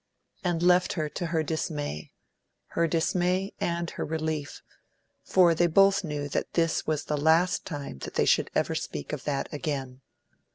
and left her to her dismay her dismay and her relief, for they both knew that this was the last time they should ever speak of that again.